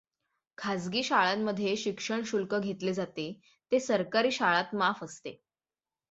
खाजगी शाळांमध्ये शिक्षण शुक्ल घेतले जाते, ते सरकारी शाळात माफ असते.